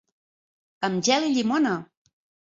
Amb gel i llimona!